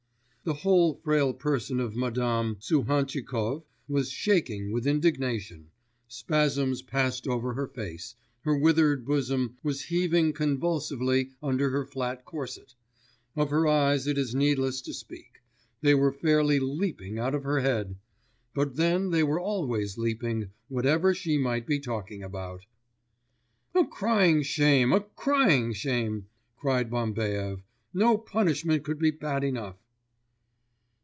The whole frail person of Madame Suhantchikov was shaking with indignation, spasms passed over her face, her withered bosom was heaving convulsively under her flat corset; of her eyes it is needless to speak, they were fairly leaping out of her head. But then they were always leaping, whatever she might be talking about. 'A crying shame, a crying shame!' cried Bambaev. 'No punishment could be bad enough!